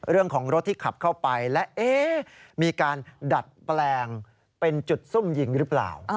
เรื่องของรถที่ขับเข้าไปและมีการดัดแปลงเป็นจุดซุ่มยิงหรือเปล่า